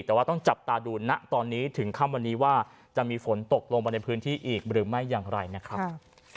แต่ว่าต้องจับตาดูณตอนนี้ถึงค่ำวันนี้ว่าจะมีฝนตกลงมาในพื้นที่อีกหรือไม่อย่างไรนะครับ